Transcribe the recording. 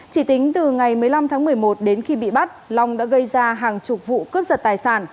chỉ tính từ ngày một mươi năm tháng một mươi một đến khi bị bắt long đã gây ra hàng chục vụ cướp giật tài sản